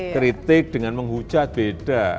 kritik dengan menghujat beda